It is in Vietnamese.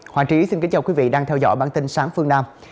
hoàng trí xin kính chào quý vị đang theo dõi bản tin sáng phương nam